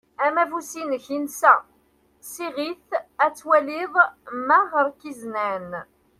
Amafus-inek insa. Siɣ-it ad twaliḍ ma ɣer-k izenan.